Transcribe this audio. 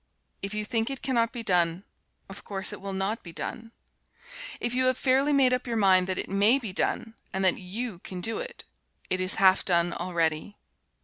If you think it cannot be done, of course it will not be done. If you have fairly made up your mind that it may be done, and that you can do it, it is half done already.